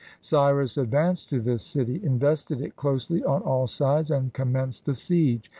Cyrus advanced to the city, invested it closely on all sides, and commenced a siege.